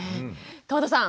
川田さん